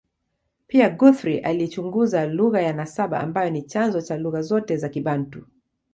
Pia, Guthrie alichunguza lugha ya nasaba ambayo ni chanzo cha lugha zote za Kibantu.